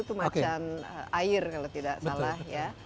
itu macam air kalau tidak salah